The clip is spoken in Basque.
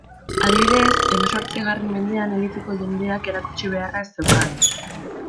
Adibidez, hemezortzigarren mendean, eliteko jendeak erakutsi beharra zeukan.